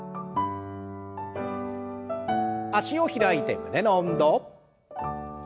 脚を開いて胸の運動。